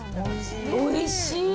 おいしい。